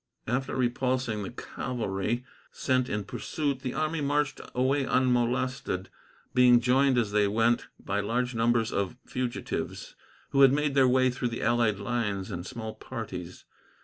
After repulsing the cavalry sent in pursuit, the army marched away unmolested, being joined as they went by large numbers of fugitives, who had made their way through the allied lines in small parties.